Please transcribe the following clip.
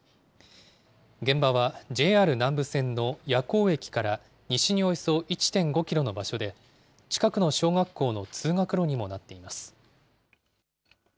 現場はＪＲ南武線の矢向駅から西におよそ１．５キロの場所で、近くの小学校の通学路にもなっています。